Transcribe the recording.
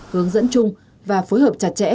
hướng dẫn chung và phối hợp chặt chẽ